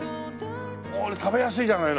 これ食べやすいじゃないの。